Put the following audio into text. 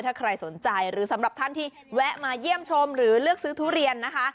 ถ้าใครสนใจหรือสำหรับท่านที่แวะมาเยี่ยมชมหรือเลือกซื้อทุเรียนนะคะ